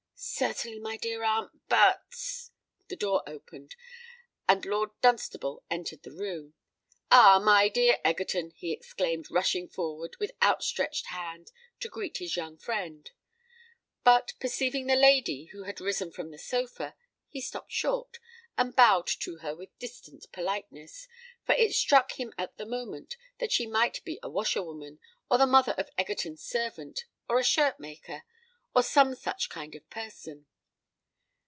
"Certainly, my dear aunt—but——" The door opened; and Lord Dunstable entered the room. "Ah! my dear Egerton!" he exclaimed, rushing forward, with out stretched hand, to greet his young friend: but, perceiving the lady, who had risen from the sofa, he stopped short, and bowed to her with distant politeness—for it struck him at the moment that she might be a washerwoman, or the mother of Egerton's servant, or a shirt maker, or some such kind of person.